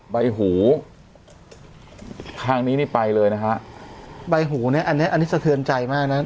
ใบหูทางนี้นี่ไปเลยนะฮะใบหูเนี้ยอันนี้อันนี้สะเทือนใจมากนะ